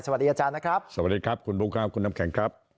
สวัสดีครับคุณบุคคลาวคุณน้ำแข็งครับ